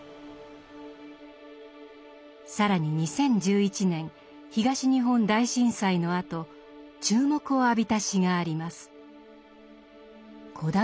更に２０１１年東日本大震災のあと注目を浴びた詩があります。